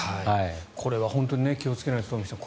これは本当に気をつけないと東輝さん。